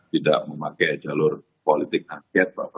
tidak memakai jalur politik angket